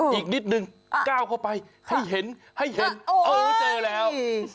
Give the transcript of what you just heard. อย่างนิดหนึ่งเก้าเข้าไปให้เห็นโอ้โฮเจอแล้ว